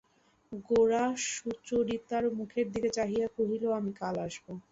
গোরা সুচরিতার মুখের দিকে চাহিয়া কহিল, আমি কাল আসব।